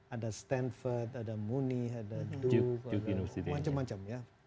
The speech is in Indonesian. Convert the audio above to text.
ada standfood ada moony ada duke ada macam macam ya